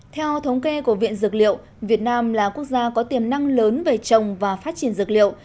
theo thống kê của viện dược liệu việt nam là quốc gia có tiềm năng lớn về trồng và phát triển dược liệu